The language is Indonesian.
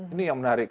ini yang menarik